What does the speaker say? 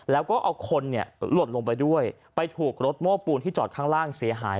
แล้วก็เอาคนเนี่ยหล่นลงไปด้วยไปถูกรถโม้ปูนที่จอดข้างล่างเสียหาย